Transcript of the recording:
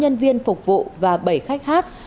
nhân viên phục vụ và bảy khách hát